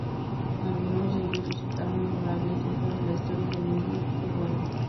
Algunos de ellos resultaron memorables dentro de la historia del indie peruano.